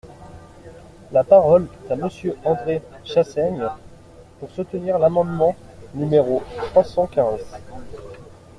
La parole est à Monsieur André Chassaigne, pour soutenir l’amendement numéro trois cent quinze.